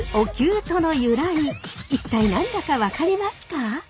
一体何だか分かりますか？